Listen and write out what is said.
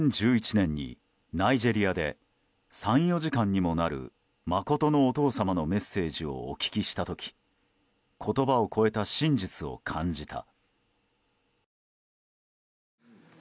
２０１１年にナイジェリアで３４時間にもなる真のお父様のメッセージをお聴きしたとき言葉を超えた真実を感じた。